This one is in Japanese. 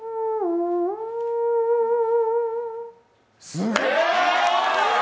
すげえ。